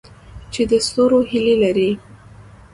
چې د ستورو هیلې لري؟